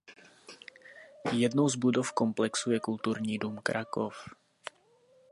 Jednou z budov komplexu je kulturní dům Krakov.